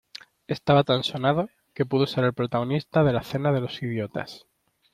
Estaba tan sonado que pudo ser el protagonista de la cena de los idiotas.